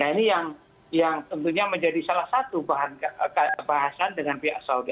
nah ini yang tentunya menjadi salah satu bahan dengan pihak saudi